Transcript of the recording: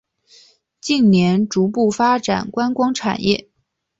近年逐步发展观光产业。